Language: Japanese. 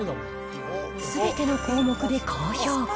すべての項目で高評価。